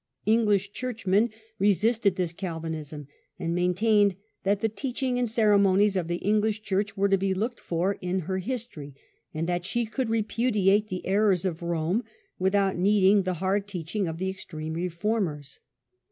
English churchmen resisted this Calvinism, and maintained that the teaching and cere monies of the English church were to be looked for in her history, and that she could repudiate the errors of Rome without needing the hard teaching of the extreme Reformers.